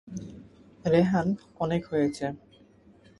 রেহান অনেক হয়েছে।